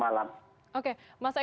bagaimana animo wnr dan lain lain